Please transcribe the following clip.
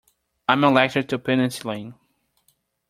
I am allergic to penicillin.